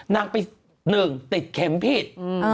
นางไป๑ติดเข็มผิด